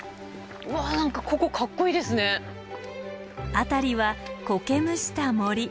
辺りは苔むした森。